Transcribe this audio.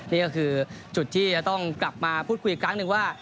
นี่ก็คือจุดที่จะต้องกลับมาพูดคุยอีกครั้งหนึ่งว่า